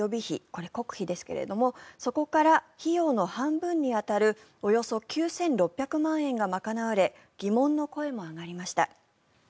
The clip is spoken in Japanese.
これ、国費ですがそこから費用の半分に当たるおよそ９６００万円が賄われ疑問の声も上がりました。